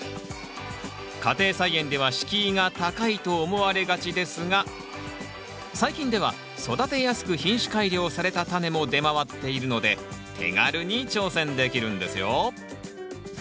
家庭菜園では敷居が高いと思われがちですが最近では育てやすく品種改良されたタネも出回っているので手軽に挑戦できるんですよ。